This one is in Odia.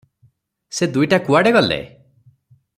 ସେ ଦୁଇଟା କୁଆଡ଼େ ଗଲେ?